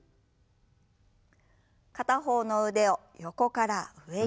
片方の腕を横から上に。